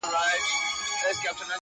• او په هغه ژبه خپلو اورېدونکو -